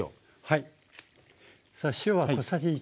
はい。